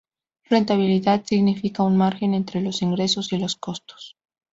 Rentabilidad significa un margen entre los ingresos y los costos.